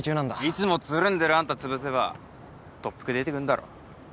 いつもつるんでるあんたつぶせば特服出てくんだろ？